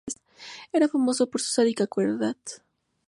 Era famoso por su sádica crueldad.